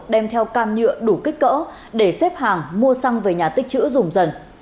đem theo can nhựa đủ kích cỡ để xếp hàng mua xăng về nhà tích chữ dùng dần